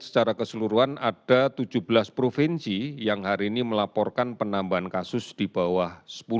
secara keseluruhan ada tujuh belas provinsi yang hari ini melaporkan penambahan kasus di bawah sepuluh